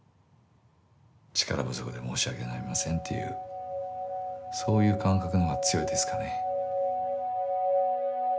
力不足で申し訳ございませんっていうそういう感覚の方が強いですかね。